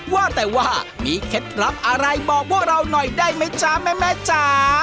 ว่าแต่ว่ามีเคล็ดลับอะไรบอกพวกเราหน่อยได้ไหมจ๊ะแม่จ๋า